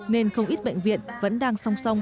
nên không ít bệnh viện vẫn đang song song